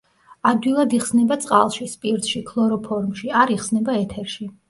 ადვილად იხსნება წყალში, სპირტში, ქლოროფორმში, არ იხსნება ეთერში.